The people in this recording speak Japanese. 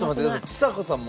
ちさ子さん